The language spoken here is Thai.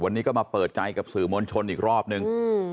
วันนี้ก็มาเปิดใจกับสื่อมวลชนอีกรอบนึง